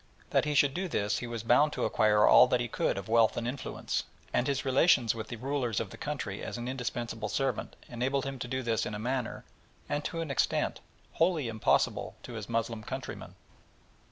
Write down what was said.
That he should do this he was bound to acquire all that he could of wealth and influence, and his relations with the rulers of the country as an indispensable servant enabled him to do this in a manner, and to an extent, wholly impossible to his Moslem countrymen.